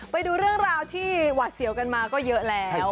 ไปดูเรื่องราวที่หวาดเสียวกันมาก็เยอะแล้ว